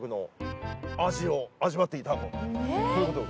味わっていただこうと。